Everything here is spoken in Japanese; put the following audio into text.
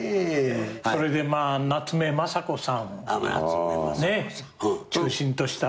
それでまあ夏目雅子さんを中心としたあの。